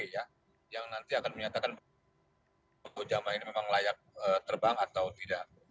yang nanti akan menyatakan bahwa jemaah ini memang layak terbang atau tidak